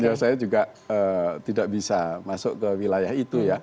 ya saya juga tidak bisa masuk ke wilayah itu ya